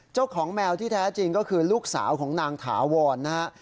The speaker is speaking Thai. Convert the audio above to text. เจ้าของแมวที่แท้จริงก็คือลูกสาวของนางถาวรนะฮะ